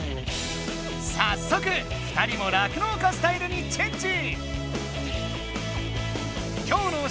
さっそく２人も酪農家スタイルにチェンジ！